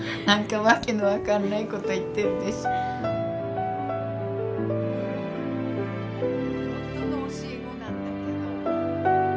何か訳の分かんないこと言ってるでしょ。